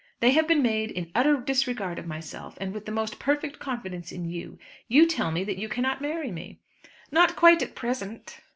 They have been made in utter disregard of myself, and with the most perfect confidence in you. You tell me that you cannot marry me." "Not quite at present."